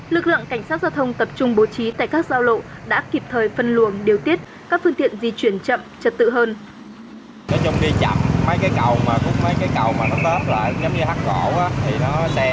lực lượng cảnh sát giao thông tập trung bố trí tại các giao lộ đã kịp thời phân luồng điều tiết các phương tiện di chuyển chậm trật tự hơn